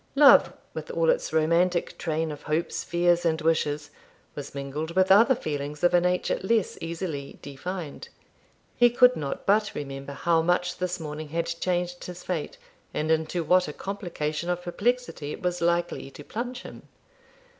Love, with all its romantic train of hopes, fears, and wishes, was mingled with other feelings of a nature less easily defined. He could not but remember how much this morning had changed his fate, and into what a complication of perplexity it was likely to plunge him.